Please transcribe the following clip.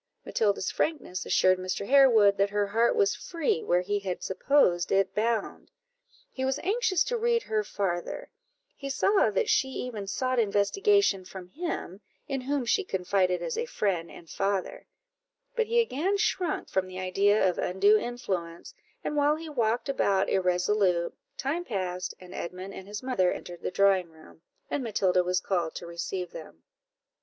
Matilda's frankness assured Mr. Harewood that her heart was free where he had supposed it bound; he was anxious to read her farther; he saw that she even sought investigation from him, in whom she confided as a friend and father; but he again shrunk from the idea of undue influence, and while he walked about irresolute, time passed, and Edmund and his mother entered the drawing room, and Matilda was called to receive them.